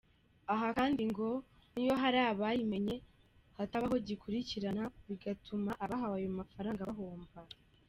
Aha kandi ngo n’iyo hari abayimenye hatabaho gikurikirana, bigatuma abahawe ayo mafaranga bahomba.